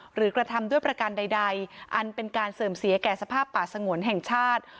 กระทำด้วยประการใดอันเป็นการเสื่อมเสียแก่สภาพป่าสงวนแห่งชาติ